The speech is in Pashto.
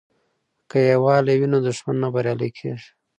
که یووالي وي نو دښمن نه بریالی کیږي.